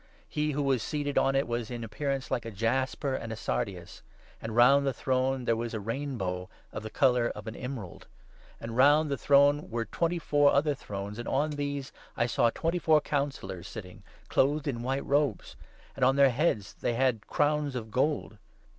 He who was seated on it was in appearance like a jasper and a sardius ; and ' round the throne there was a rainbow ' of the colour of an emerald. And round the throne were twenty four other thrones, and on these I saw twenty four Councillors sitting, clothed in white robes ; and on their heads they had crowns of gold.